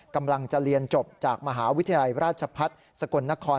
กำลังจะเรียนจบจากมหาวิทยาลัยราชพัฒน์สกลนคร